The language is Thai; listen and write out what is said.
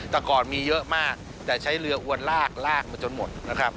แต่ก่อนมีเยอะมากแต่ใช้เรืออวนลากลากมาจนหมดนะครับ